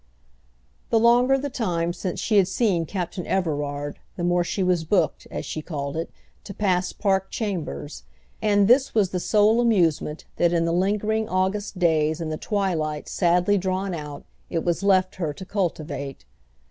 The longer the time since she had seen Captain Everard the more she was booked, as she called it, to pass Park Chambers; and this was the sole amusement that in the lingering August days and the twilights sadly drawn out it was left her to cultivate.